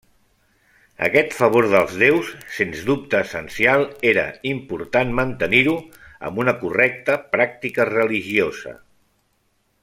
Aquest favor dels déus, sens dubte, essencial, era important mantenir-ho amb una correcta pràctica religiosa.